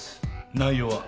内容は？